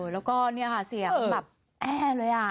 แล้วก็เสียงแอ่เลยอ่ะ